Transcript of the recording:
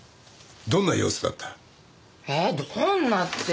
どんな様子だった？